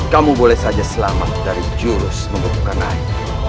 kamu boleh saja selamat dari jurus membepukan air